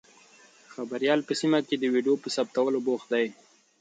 خبریال په سیمه کې د ویډیو په ثبتولو بوخت دی.